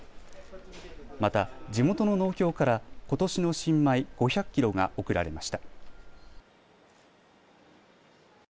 また、地元の農協からことしの新米５００キロが贈られました。